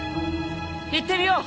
行ってみよう。